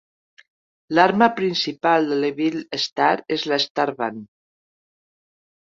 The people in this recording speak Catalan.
L'arma principal de l'Evil Star és la "Starband".